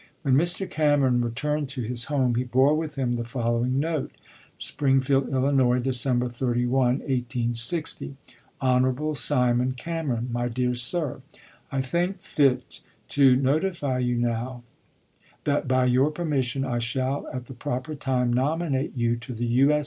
When Mr. Cameron returned to his home he bore with him the following note : Springfield, III., December 31, 1860. Hon. Simon Cameron. My Dear Sir : I think fit to notify you now, that by your permission I shall at the proper time nominate you to the U. S.